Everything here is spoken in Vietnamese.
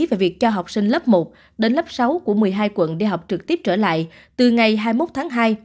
về việc cho học sinh lớp một đến lớp sáu của một mươi hai quận đi học trực tiếp trở lại từ ngày hai mươi một tháng hai